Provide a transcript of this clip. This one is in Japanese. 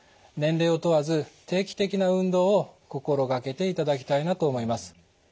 年齢を問わず定期的な運動を心掛けていただきたいなと思います。